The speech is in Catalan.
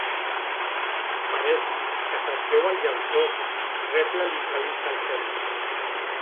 Peret, que se't veu el llautó! —rebla l'infeliç del Fèlix.